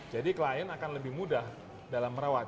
jadi klien akan lebih mudah dalam merawat